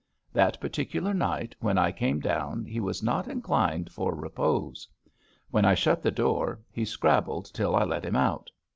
That particular night when I came down he was not inclined for repose. When I shut the door he scrabbled till I let him out.